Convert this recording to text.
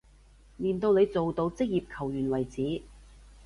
練到你做到職業球員為止